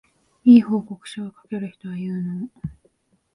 良い報告書を書ける人は有能